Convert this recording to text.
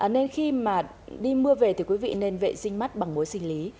nên khi mà đi mưa về thì quý vị nên vệ sinh mắt bằng mối sinh lý